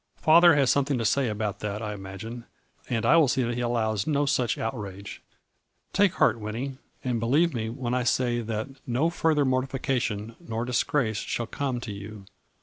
Father has something to say about that I imagine, and I will see that he allows no such outrage. Take heart, Winnie, and believe me when I say that no further mortification nor disgrace shall come A FLURRY IN DIAMONDS. Ill to you.